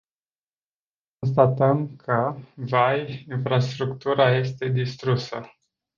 Constatăm că, vai, infrastructura este distrusă.